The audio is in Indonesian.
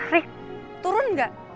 rick turun gak